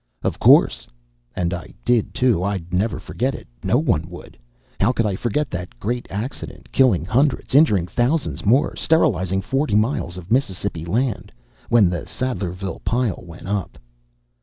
"Of course." And I did, too. I'd never forget it. No one would. How could I forget that great accident killing hundreds, injuring thousands more, sterilizing forty miles of Mississippi land when the Sadlerville pile went up?